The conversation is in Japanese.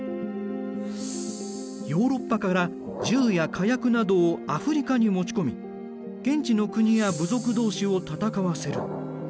ヨーロッパから銃や火薬などをアフリカに持ち込み現地の国や部族同士を戦わせる。